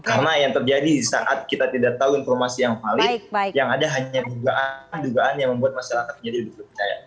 karena yang terjadi saat kita tidak tahu informasi yang valid yang ada hanya dugaan dugaan yang membuat masyarakat menjadi lebih percaya